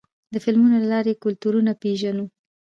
د فلمونو له لارې کلتورونه پېژنو.